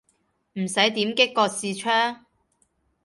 唔使點擊個視窗